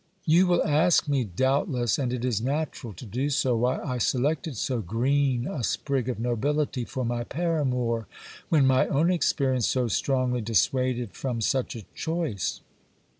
You will ask me, doubtless, and it is natural to do so, why I selected so green a sprig of nobility for my paramour, when my own experience so strongly dissuaded from such a choice.